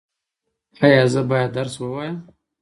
ایا زه باید درس ووایم؟